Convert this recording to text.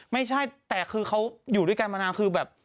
ไม่ใช่แต่คือเขาอยู่ด้วยกันมานานคือแบบ